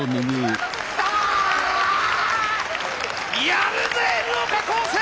やるぜＮ岡高専！